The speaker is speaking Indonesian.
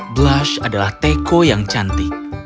blush adalah teko yang cantik